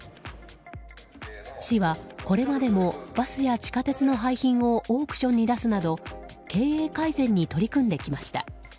市はこれまでもバスや地下鉄の廃品をオークションに出すなど経営改善に取り組んできました。